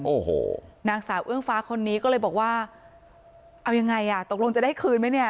โอ้โหนางสาวเอื้องฟ้าคนนี้ก็เลยบอกว่าเอายังไงอ่ะตกลงจะได้คืนไหมเนี่ย